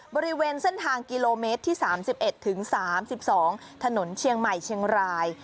บริเวณเส้นทางกิโลเมตรที่๓๑ถึง๓๒ถนนเชียงใหม่เชียงราย